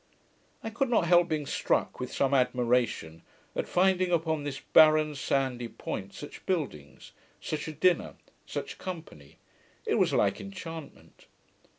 I could not help being struck with some admiration, at finding upon this barren sandy point, such buildings, such a dinner, such company: it was like enchantment.